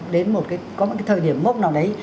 đến một cái có một cái thời điểm mốc nào đấy